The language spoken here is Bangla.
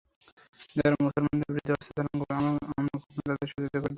যারা মুসলমানদের বিরুদ্ধে অস্ত্র ধারণ করবে আমরা গোপনে তাদের সহযোগিতা করতে পারি।